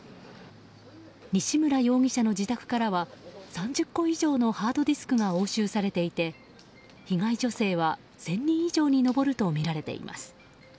西村容疑者の自宅からは３０個以上のハードディスクが押収されていて被害女性は、１０００人以上に上るとみられています。